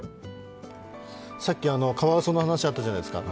さっきカワウソの話あったじゃないですか。